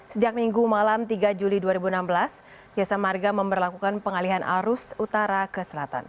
sejak minggu malam tiga juli dua ribu enam belas jasa marga memperlakukan pengalihan arus utara ke selatan